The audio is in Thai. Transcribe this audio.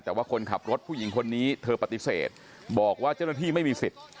แต่ว่าคนขับรถผู้หญิงคนนี้เธอปฏิเสธบอกว่าเจ้าหน้าที่ไม่มีสิทธิ์